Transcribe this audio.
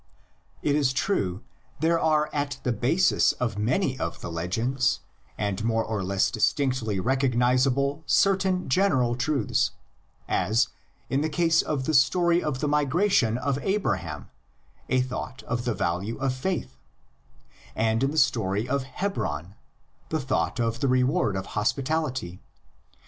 It is true, there are at the basis of many of the legends and more or less distinctly recognisable, certain general truths, as, in the case of the story of the migration of Abraham, a thought of the value of faith, and in the story of Hebron, the thought of the reward of hospitality.